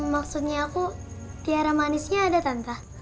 maksudnya aku tiara manisnya ada tante